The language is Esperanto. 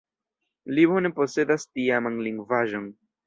Li bone posedas tiaman lingvaĵon.